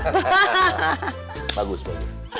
hahaha bagus banget